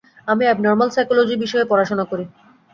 আমি abnormal psychology বিষয়ে পড়াশোনা করি।